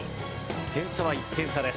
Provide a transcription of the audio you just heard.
点差は１点差です。